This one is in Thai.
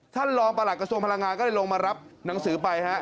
ท่านรองประหลักกระทรวงพลังงานก็เลยลงมารับหนังสือไปฮะ